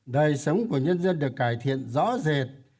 đời sống của nhân dân được cải thiện rõ rệt